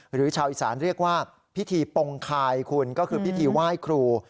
หรือชาวอีสานเรียกว่าพิธีปงคายคุณก็คือพิธีไหว้ครู